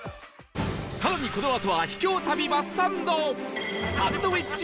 更にこのあとは秘境旅バスサンド